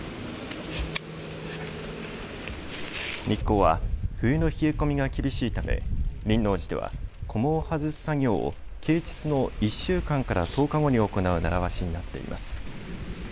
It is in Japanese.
日光は冬の冷え込みが厳しいため輪王寺ではこもを外す作業を啓ちつの１週間から１０日後に行う習わしになっています。